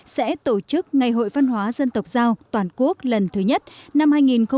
sẽ tổ chức ngày hội văn hóa dân tộc giao toàn quốc lần thứ nhất năm hai nghìn hai mươi